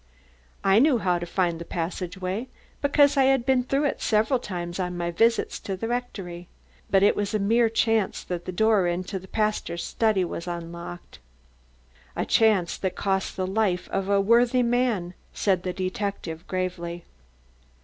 I knew how to find the passageway, because I had been through it several times on my visits to the rectory. But it was a mere chance that the door into the pastor's study was unlocked." "A chance that cost the life of a worthy man," said the detective gravely.